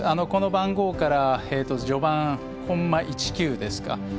この番号から序盤コンマ１９ですか。